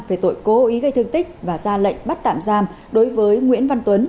về tội cố ý gây thương tích và ra lệnh bắt tạm giam đối với nguyễn văn tuấn